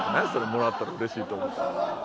「もらったらうれしいと思う」。